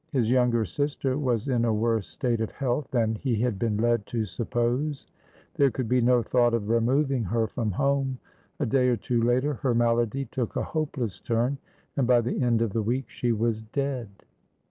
His younger sister was in a worse state of health than he had been led to suppose; there could be no thought of removing her from home. A day or two later, her malady took a hopeless turn, and by the end of the week she was dead.